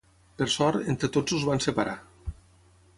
Per sort, entre tots els van separar.